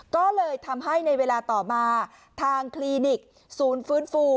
ก็เลยทำให้ในเวลาต่อมาทางคลินิกศูนย์ฟื้นฟู